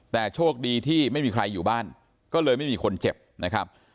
แต่โชคดีที่ไม่มีใครอยู่บ้านก็เลยไม่มีคนเจ็บนะครับ